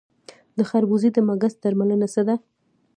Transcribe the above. د خربوزې د مګس درملنه څه ده؟